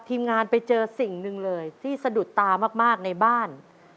ทีมงานไปเจอสิ่งหนึ่งเลยที่สะดุดตามากในบ้าน